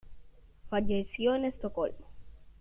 Falleció en Estocolmo.